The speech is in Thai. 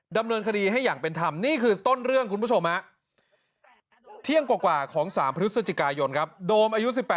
ดำเนินคดีให้อย่างเป็นธรรมนี่คือต้นเรื่องคุณผู้ชม